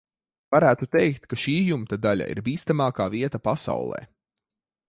Varētu teikt, ka šī jumta daļa ir bīstamākā vieta pasaulē.